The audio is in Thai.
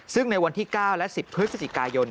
ซึ่งในวันที่๙และ๑๐พฤศจิกายน